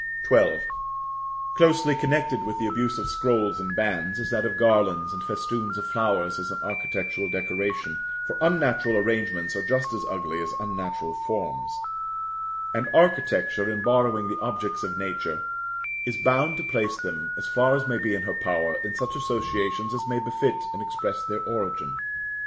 XII. Closely connected with the abuse of scrolls and bands, is that of garlands and festoons of flowers as an architectural decoration, for unnatural arrangements are just as ugly as unnatural forms; and architecture, in borrowing the objects of nature, is bound to place them, as far as may be in her power, in such associations as may befit and express their origin.